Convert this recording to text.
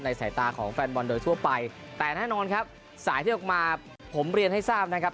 สายตาของแฟนบอลโดยทั่วไปแต่แน่นอนครับสายที่ออกมาผมเรียนให้ทราบนะครับ